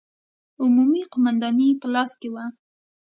عمومي قومانداني په لاس کې وه.